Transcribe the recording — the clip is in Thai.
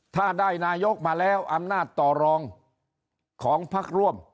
ถ้าได้นายกมาแล้วอำนาจต่อรองของพักร่วม